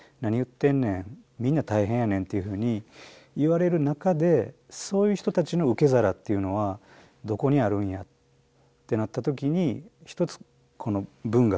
っていうふうに言われる中でそういう人たちの受け皿っていうのはどこにあるんやってなった時に一つこの文学。